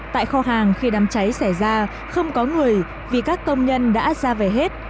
tại kho hàng khi đám cháy xảy ra không có người vì các công nhân đã ra về hết